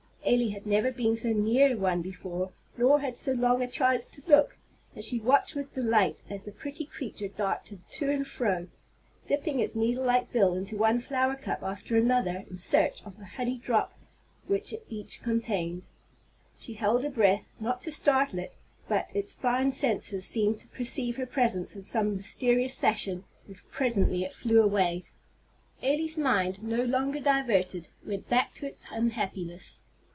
Elly had never been so near one before, nor had so long a chance to look, and she watched with delight as the pretty creature darted to and fro, dipping its needle like bill into one flower cup after another, in search of the honey drop which each contained. She held her breath, not to startle it; but its fine senses seemed to perceive her presence in some mysterious fashion, and presently it flew away. Elly's mind, no longer diverted, went back to its unhappiness.